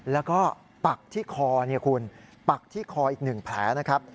แล้วก็ปักที่คอเนี่ยคุณปักที่คออีก๑แผลนะครับ